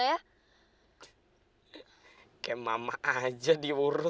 karena aku mau menjaga diri lekis vivian aku